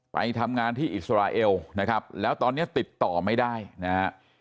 ไปทำงานที่อิสราเอลนะครับแล้วตอนนี้ติดต่อไม่ได้นะฮะ